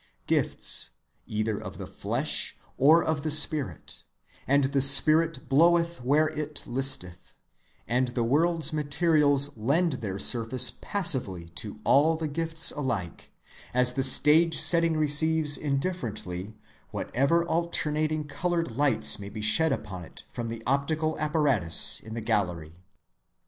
Gifts, either of the flesh or of the spirit; and the spirit bloweth where it listeth; and the world's materials lend their surface passively to all the gifts alike, as the stage‐setting receives indifferently whatever alternating colored lights may be shed upon it from the optical apparatus in the gallery.